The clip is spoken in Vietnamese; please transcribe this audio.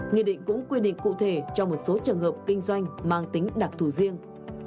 nghị định cũng quy định cụ thể cho một số trường hợp kinh doanh mang tính đặc thù riêng